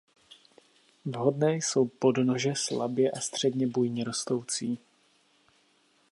Vhodné jsou podnože slabě a středně bujně rostoucí.